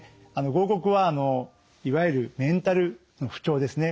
合谷はいわゆるメンタルの不調ですね